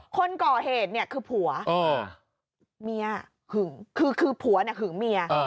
คนก่อเหตุเนี่ยคือผัวมียะหึงคือคือผัวหึงเมีย